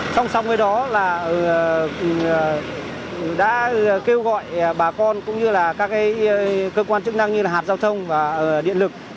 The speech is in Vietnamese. song song với đó là đã kêu gọi bà con cũng như là các cơ quan chức năng như là hạt giao thông và điện lực